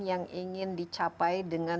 yang ingin dicapai dengan